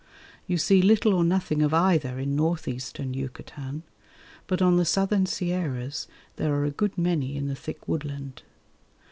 You see little or nothing of either in North Eastern Yucatan, but on the southern sierras there are a good many in the thick woodland.